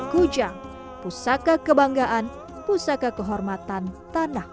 kujang pusaka kebanggaan pusaka kehormatan tanah